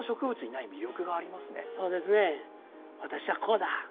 私はこうだ！